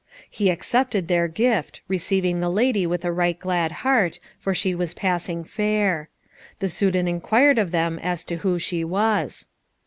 He accepted their gift, receiving the lady with a right glad heart, for she was passing fair. The Soudan inquired of them as to who she was.